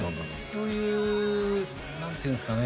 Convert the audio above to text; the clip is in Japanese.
そういうなんていうんですかね